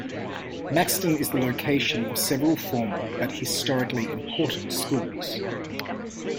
Maxton is the location of several former, but historically important schools.